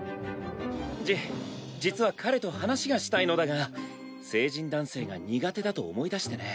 じ実は彼と話がしたいのだが成人男性が苦手だと思い出してね。